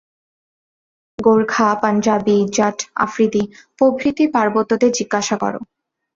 গোরখা, পাঞ্জাবী, জাঠ, আফ্রিদি প্রভৃতি পার্বত্যদের জিজ্ঞাসা কর।